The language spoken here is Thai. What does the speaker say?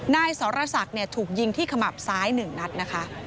นายสรศักดิ์ถูกยิงที่ขมับซ้าย๑นัดนะคะ